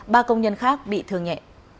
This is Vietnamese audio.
ba công nhân khác bị thương nhẹ